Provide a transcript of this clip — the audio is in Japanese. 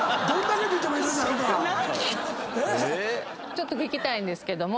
ちょっと聞きたいんですけども。